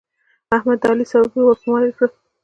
احمد د علي سابه ور په مالګه کړل.